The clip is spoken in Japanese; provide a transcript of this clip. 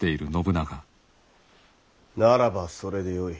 ならばそれでよい。